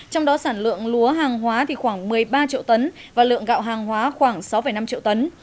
trong đó sản lượng lúa hàng hóa khoảng một mươi ba triệu tấn và lượng gạo hàng hóa khoảng sáu năm triệu tấn